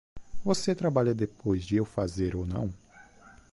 Você trabalha depois de eu fazer ou não?